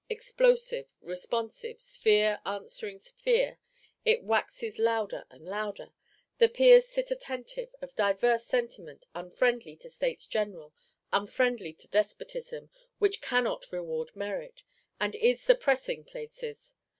Explosive, responsive, sphere answering sphere, it waxes louder and louder. The Peers sit attentive; of diverse sentiment: unfriendly to States General; unfriendly to Despotism, which cannot reward merit, and is suppressing places.